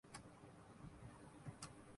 اس کی وجہ وہی ادھورا مطالعہ اور فکری تعصبات ہیں۔